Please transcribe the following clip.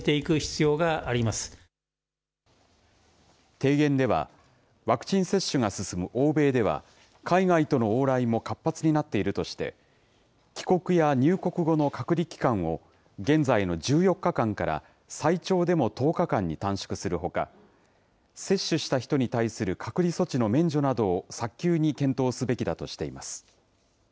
提言では、ワクチン接種が進む欧米では、海外との往来も活発になっているとして、帰国や入国後の隔離期間を現在の１４日間から、最長でも１０日間に短縮するほか、接種した人に対する隔離措置の免除などを早急に検討すべきだとしています。